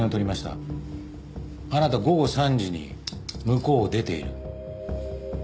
あなた午後３時に向こうを出ている。